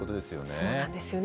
そうなんですよね。